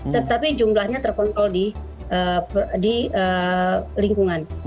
tetapi jumlahnya terkontrol di lingkungan